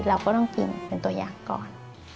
เราก็ต้องกินเป็นตัวอย่างก่อน